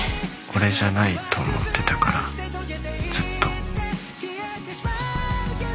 俺じゃないと思ってたからずっと。